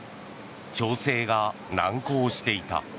調整が難航していた。